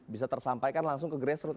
bisa tersampaikan langsung ke grassroot